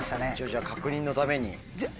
じゃあ確認のために。